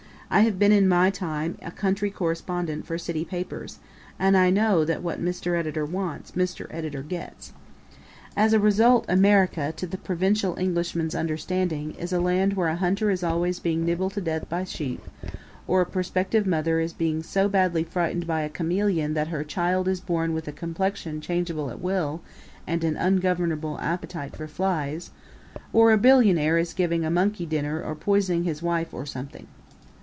I have been in my time a country correspondent for city papers, and I know that what Mr. Editor wants Mr. Editor gets. As a result America, to the provincial Englishman's understanding, is a land where a hunter is always being nibbled to death by sheep; or a prospective mother is being so badly frightened by a chameleon that her child is born with a complexion changeable at will and an ungovernable appetite for flies; or a billionaire is giving a monkey dinner or poisoning his wife, or something.